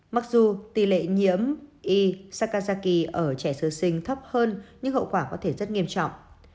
mặc dù tỷ lệ nhiễm y sakazaki ở trẻ sơ sinh thấp hơn nhưng hậu quả có thể rất nghiêm trọng